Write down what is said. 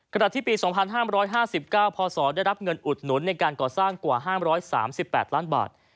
ที่ปี๒๕๕๙พศได้รับเงินอุดหนุนในการก่อสร้างกว่า๕๓๘ล้านบาท